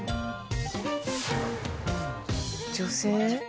女性？